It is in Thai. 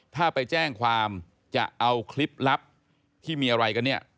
ถ้าไปแจ้งความจะเอาคลิปลับที่มีอะไรกันเนี่ย